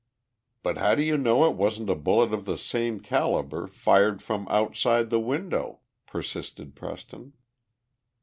"But how do you know it wasn't a bullet of the same caliber, fired from outside the window?" persisted Preston.